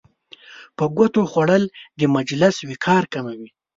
په ګوتو خوړل د مجلس وقار کموي.